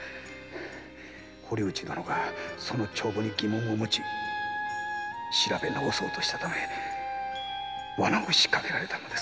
堀内殿がその帳簿に疑問を持ち調べ直そうとしたためにワナを仕掛けられたのです」。